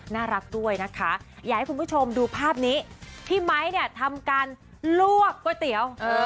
น่ารักด้วยนะคะอยากให้คุณผู้ชมดูภาพนี้พี่ไมค์เนี่ยทำการลวกก๋วยเตี๋ยว